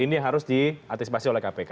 ini harus diantisipasi oleh kpk